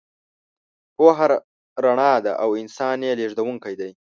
پوهه رڼا ده او انسان یې لېږدونکی دی.